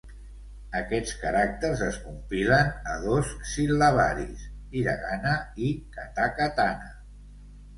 Aquests caràcters es compilen a dos sil·labaris: "hiragana" i "katakatana".